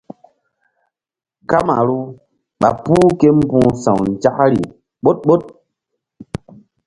Kamaru ɓa puh ke mbu̧h sa̧w nzakri ɓoɗ ɓoɗ.